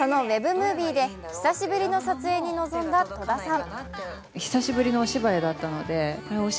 ムービーで久しぶりの撮影に臨んだ戸田さん。